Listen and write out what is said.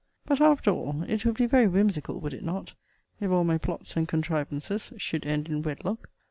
But, after all, it would be very whimsical, would it not, if all my plots and contrivances should end in wedlock?